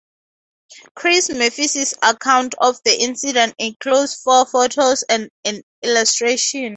Chris Murphy's account of the incident includes four photos and an illustration.